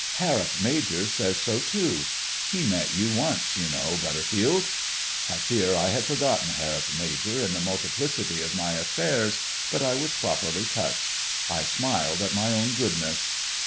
Harrop major says so too he met you once, you know, Butterfield." I fear I had forgotten Harrop major in the multiplicity of my affairs, but I was properly touched. I smiled at my own goodness.